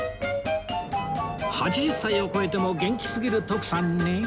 ８０歳を超えても元気すぎる徳さんに